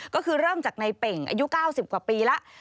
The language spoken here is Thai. ก็คือเริ่มจากในเป่งอายุ๙๐กว่าปีแล้ว